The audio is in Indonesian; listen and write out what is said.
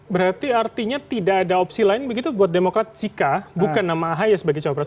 berarti artinya tidak ada opsi lain begitu buat demokrat jika bukan nama ahy sebagai cawapres